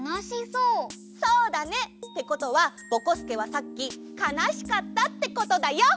そうだね。ってことはぼこすけはさっきかなしかったってことだよ！